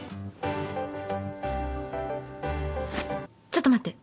ちょっと待って。